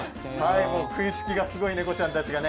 食いつきがすごい猫ちゃんたちがね